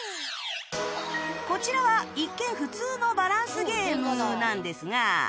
こちらは一見普通のバランスゲームなんですが